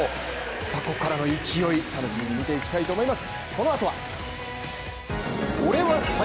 ここからの勢い、楽しみに見ていきたいと思います。